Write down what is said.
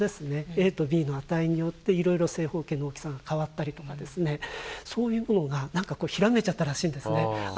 ＡとＢの値によっていろいろ正方形の大きさが変わったりとかですねそういうものがなんかひらめいちゃったらしいんですね。